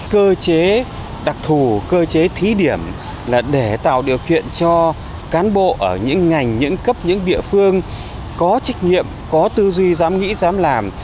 cơ chế đặc thù cơ chế thí điểm là để tạo điều kiện cho cán bộ ở những ngành những cấp những địa phương có trách nhiệm có tư duy dám nghĩ dám làm